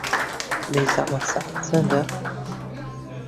بێزەحمەت سەعات چەندە؟